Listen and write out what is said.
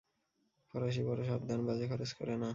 ফরাসী বড় সাবধান, বাজে খরচ করে না।